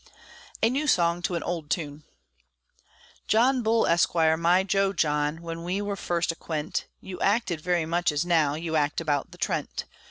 A NEW SONG TO AN OLD TUNE John Bull, Esquire, my jo John, When we were first acquent, You acted very much as now You act about the Trent.